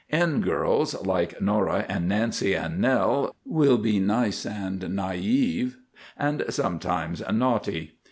N girls, like Nora and Nancy and Nell will be Nice and Naïve and sometimes Naughty.